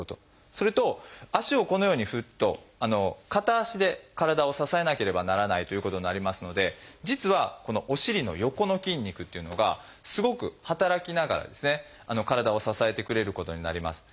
それと足をこのように振ると片足で体を支えなければならないということになりますので実はこのお尻の横の筋肉っていうのがすごく働きながら体を支えてくれることになります。